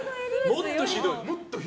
もっとひどい。